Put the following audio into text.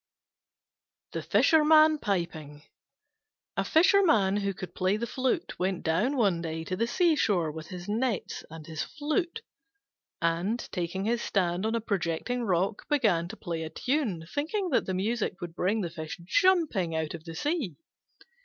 THE FISHERMAN PIPING A Fisherman who could play the flute went down one day to the sea shore with his nets and his flute; and, taking his stand on a projecting rock, began to play a tune, thinking that the music would bring the fish jumping out of the sea.